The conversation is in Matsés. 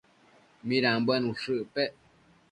midanbuen ushë icpec?